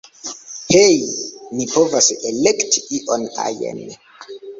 Hej, ni povas elekti ion ajn.